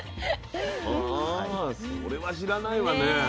それは知らないわね。